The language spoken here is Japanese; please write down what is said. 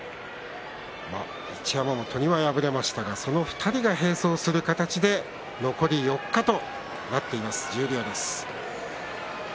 一山本には敗れましたがその２人が並走する形で残り４日となりました、十両です。